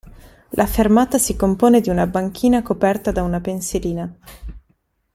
La fermata si compone di una banchina coperta da una pensilina.